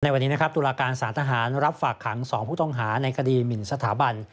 วันนี้นะครับตุลาการสารทหารรับฝากขัง๒ผู้ต้องหาในคดีหมินสถาบัน